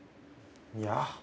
いや。